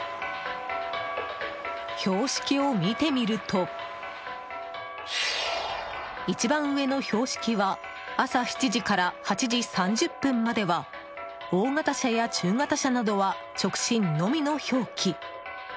標識を見てみると一番上の標識は朝７時から８時３０分までは大型車や中型車などは直進のみの表記。